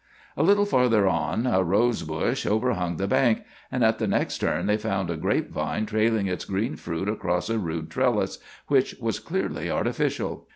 A little farther on a rose bush overhung the bank, and at the next turn they found a grape vine trailing its green fruit across a rude trellis, which was clearly artificial.